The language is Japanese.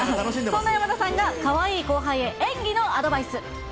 そんな山田さんがかわいい後輩へ、演技のアドバイス。